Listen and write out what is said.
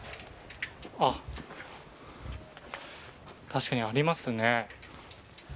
確かにありますね。